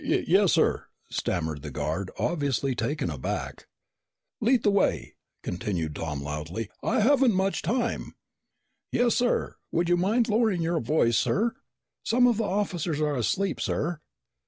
_" "Uhh yes, sir," stammered the guard, obviously taken aback. "Lead the way," continued Tom loudly. "I haven't much time." "Yes, sir, but would you mind lowering your voice, sir? Some of the officers are asleep, sir."